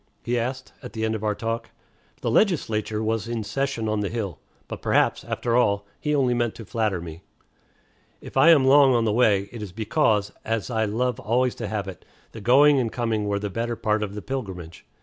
he asked, at the end of our talk. The legislature was in session on the hill. But perhaps, after all, he only meant to flatter me. If I am long on the way, it is because, as I love always to have it, the going and coming were the better part of the pilgrimage.